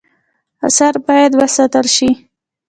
آثار باید وساتل شي